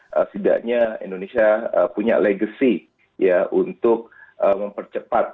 setidaknya indonesia punya legacy ya untuk mempercepat